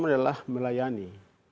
pertama adalah melayani